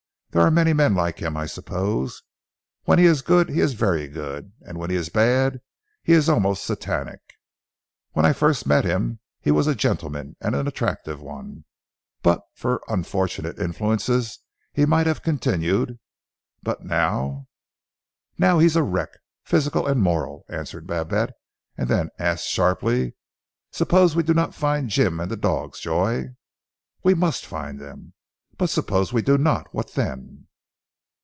There are many men like him, I suppose. When he is good he is very good, and when he is bad he is almost satanic. When I first met him he was a gentleman, an attractive one; and but for unfortunate influences he might have continued but now " "Now he is a wreck, physical and moral," answered Babette, and then asked sharply, "Suppose we do not find Jim and the dogs, Joy?" "We must find them!" "But suppose we do not? What then?"